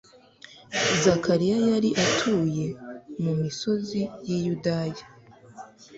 Zakariya yari atuye “mu misozi y'i Yudaya